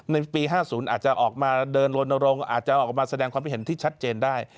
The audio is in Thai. ในปี๕๐อาจจะออกมาเดินลนรงค์อาจจะออกมาแสดงความคิดเห็นที่ชัดเจนได้